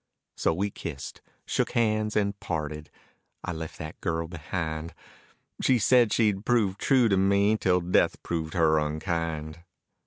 So we kissed, shook hands, and parted, I left that girl behind. She said she'd prove true to me till death proved her unkind.